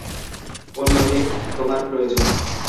অন্যদের তোমার প্রয়োজন।